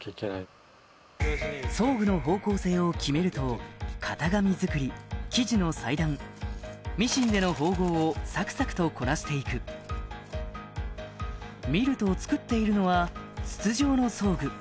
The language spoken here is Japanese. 装具の方向性を決めると型紙作り生地の裁断ミシンでの縫合をサクサクとこなして行く見ると作っているのは筒状の装具